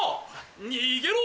逃げろ！